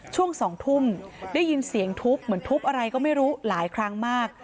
ช่วง๒ทุ่มได้ยินเสียงทุบเหมือนทุบอะไรก็ไม่รู้หลายครั้งมาก